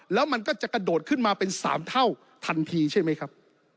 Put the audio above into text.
แล้วมันก็จะกระโดดขึ้นมาเป็น๓เท่าทันทีใช่ไหมครับ